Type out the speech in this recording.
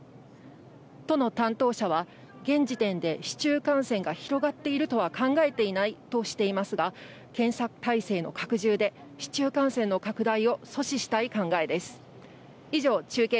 都の担当者は、現時点で市中感染が広がっているとは考えていないとしていますが、検査体制の拡充で、市中感染の拡大を阻止したい考えです。